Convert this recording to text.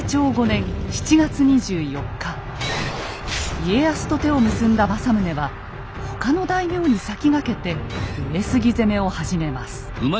家康と手を結んだ政宗は他の大名に先駆けて上杉攻めを始めます。